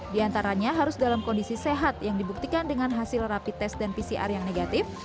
di antaranya harus dalam kondisi sehat yang dibuktikan dengan hasil rapi tes dan pcr yang negatif